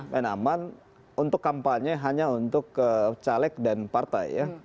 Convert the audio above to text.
menaman untuk kampanye hanya untuk caleg dan partai ya